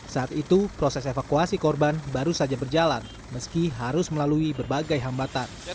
saat itu proses evakuasi korban baru saja berjalan meski harus melalui berbagai hambatan